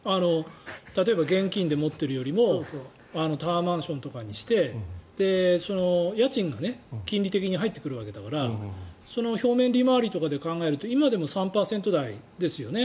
例えば現金で持っているよりもタワーマンションとかにしてその家賃が金利的に入ってくるわけだからその表面利回りとかで考えると今でも３％台ですよね。